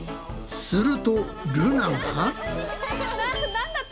するとルナが。